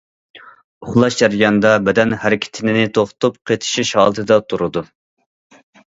ئۇخلاش جەريانىدا، بەدەن ھەرىكىتىنى توختىتىپ،« قېتىشىش» ھالىتىدە تۇرىدۇ.